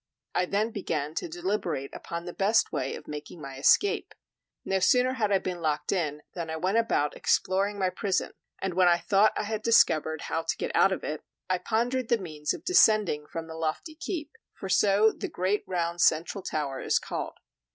I then began to deliberate upon the best way of making my escape. No sooner had I been locked in, than I went about exploring my prison; and when I thought I had discovered how to get out of it, I pondered the means of descending from the lofty keep, for so the great round central tower is called.